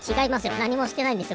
なにもしてないんですよ